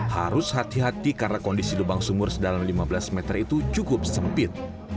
harus hati hati karena kondisi lubang sumur sedalam lima belas meter itu cukup sempit